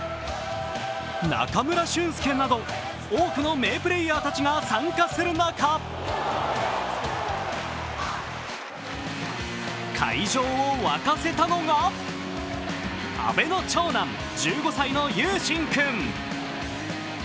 中村俊輔など多くの名プレーヤーたちが参加する中、会場を沸かせたのが阿部の長男・１５歳の湧心君。